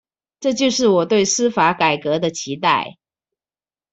這就是我對司法改革的期待